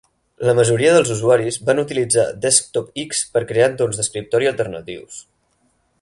La majoria dels usuaris van utilitzar DesktopX per crear entorns d'escriptori alternatius.